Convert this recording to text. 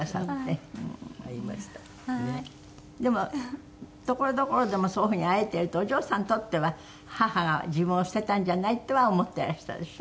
でもところどころでもそういう風に会えてるとお嬢さんにとっては母が自分を捨てたんじゃないとは思ってらしたでしょ？